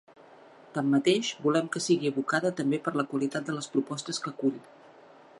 Tanmateix, volem que sigui evocada també per la qualitat de les propostes que acull.